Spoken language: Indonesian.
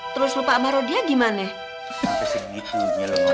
terus lupa sama rodia gimana